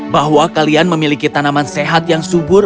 bahwa kalian memiliki tanaman sehat yang subur